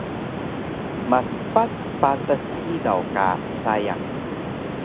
Maspac patas hidaw ka sayang